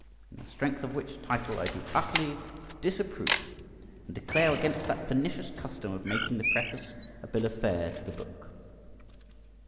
In the strength of which title I do utterly disapprove and declare against that pernicious custom of making the preface a bill of fare to the book.